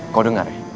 kau dengar ya